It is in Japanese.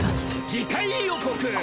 次回予告！